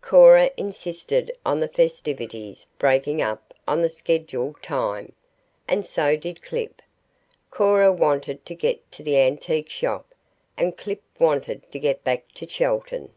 Cora insisted on the festivities breaking up on the scheduled time, and so did Clip. Cora wanted to get to the antique shop, and Clip wanted to get back to Chelton.